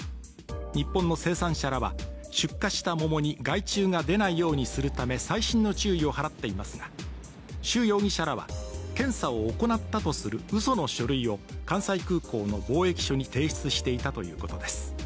日本の生産者らは、出荷した桃に害虫が出ないようにするため細心の注意を払っていますが、朱容疑者らは検査を行ったとするうその書類を関西空港の防疫所に提出していたということです。